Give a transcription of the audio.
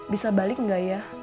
bisa balik gak ya